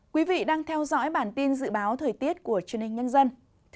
quý vị đang theo dõi bản tin dự báo thời tiết của truyền hình nhân dân